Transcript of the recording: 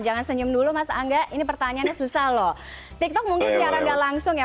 jangan senyum dulu mas angga ini pertanyaannya susah loh tiktok mungkin secara gak langsung ya